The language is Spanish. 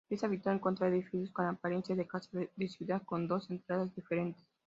Es habitual encontrar edificios con apariencia de casa de ciudad, con dos entradas diferentes.